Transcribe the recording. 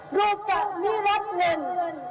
ลูกจะมีรัฐเงิน